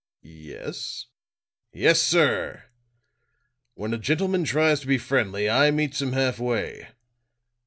"Yes?" "Yes, sir. When a gentleman tries to be friendly, I meets him half way.